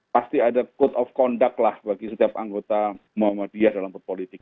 pasti ada code of conduct lah bagi setiap anggota muhammadiyah dalam berpolitik